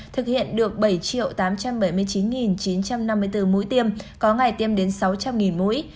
thực hiện được bảy tám trăm bảy mươi chín chín trăm năm mươi bốn mũi tiêm có ngày tiêm đến sáu trăm linh mũi